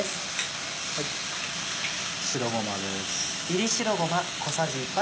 白ごまです。